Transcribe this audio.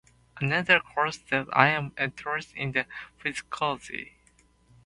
Another course that I am enrolled in is Psychology.